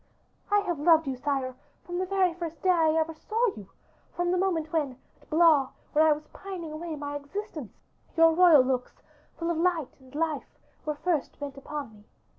"I have loved you, sire, from the very first day I ever saw you; from the moment when at Blois, where I was pining away my existence, your royal looks, full of light and life, were first bent upon me.